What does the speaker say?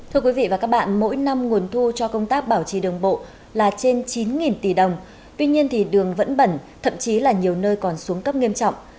thưa quý vị và các bạn mỗi năm nguồn thu cho công tác bảo trì đường bộ là trên chín tỷ đồng tuy nhiên thì đường vẫn bẩn thậm chí là nhiều nơi còn xuống cấp nghiêm trọng